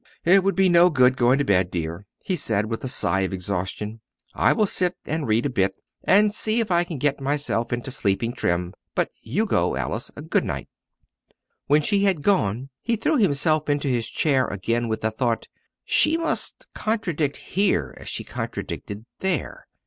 "It would be no good going to bed, dear," he said, with a sigh of exhaustion. "I will sit and read a bit, and see if I can get myself into sleeping trim. But you go, Alice good night." When she had gone he threw himself into his chair again with the thought "She must contradict here as she contradicted there!